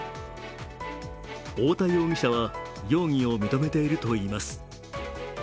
太田容疑者は容疑を認めているといいます。